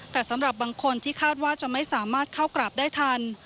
แต่สำหรับบางคนที่คาดว่าจะไม่สามารถเข้ากราบได้ทัน